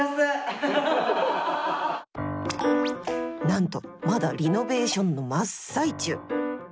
何とまだリノベーションの真っ最中！